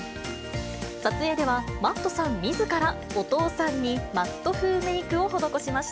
撮影では、Ｍａｔｔさんみずからお父さんにＭａｔｔ風メークを施しました。